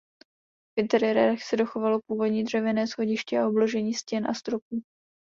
V interiérech se dochovalo původní dřevěné schodiště a obložení stěn a stropů.